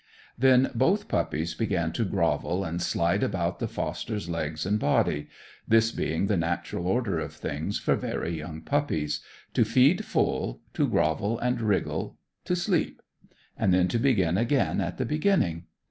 Then both puppies began to grovel and slide about the foster's legs and body; this being the natural order of things for very young puppies: to feed full, to grovel and wriggle, to sleep; and then to begin again at the beginning.